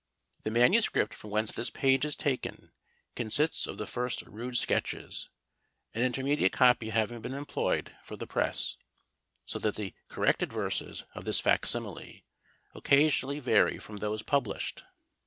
The manuscript from whence this page is taken consists of the first rude sketches; an intermediate copy having been employed for the press; so that the corrected verses of this Fac Simile occasionally vary from those published.